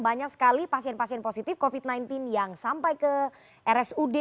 banyak sekali pasien pasien positif covid sembilan belas yang sampai ke rsud